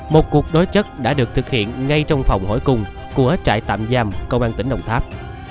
một cuộc đối chất đã được thực hiện ngay trong phòng hỏi cung của hết trại tạm giam công an tỉnh đồng tháp